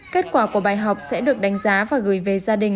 kết quả của bài học sẽ được đánh giá và gửi về gia đình